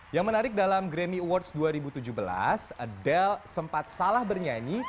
yang menarik dalam grammy awards dua ribu tujuh belas adel sempat salah bernyanyi